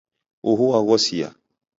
Uhu waghosia.